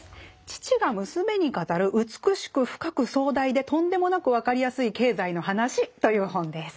「父が娘に語る美しく、深く、壮大で、とんでもなくわかりやすい経済の話。」という本です。